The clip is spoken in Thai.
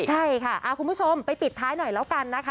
ใช่ค่ะคุณผู้ชมไปปิดท้ายหน่อยแล้วกันนะคะ